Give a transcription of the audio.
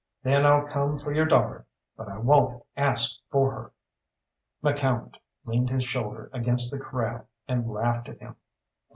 Then I'll come for your daughter, but I won't ask for her!" McCalmont leaned his shoulder against the corral, and laughed at him.